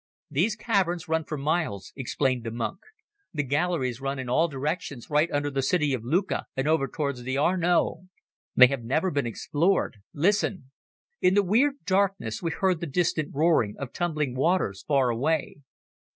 "These caverns run for miles," explained the monk. "The galleries run in all directions right under the city of Lucca and over towards the Arno. They have never been explored. Listen!" In the weird darkness we heard the distant roaring of tumbling waters far away.